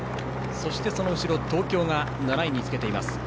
そして、その後ろ東京が７位につけています。